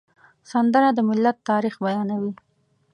سندره د ملت تاریخ بیانوي